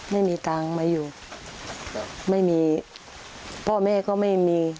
ไม่มีตังค์มาอยู่ไม่มีพ่อแม่ก็ไม่มี